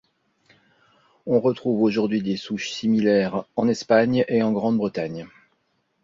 On retrouve aujourd'hui des souches similaires en Espagne et en Grande-Bretagne.